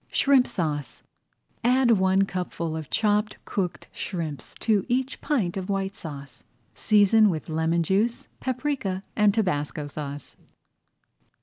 SHRIMP SAUCE Add one cupful of chopped cooked shrimps to each pint of White Sauce. Season with lemon juice, paprika, and tabasco sauce.